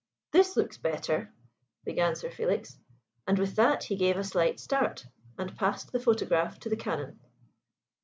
"This looks better," began Sir Felix; and with that he gave a slight start, and passed the photograph to the Canon.